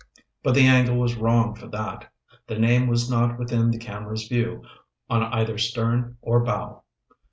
But the angle was wrong for that. The name was not within the camera's view, on either stern or bow.